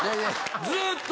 ずっと。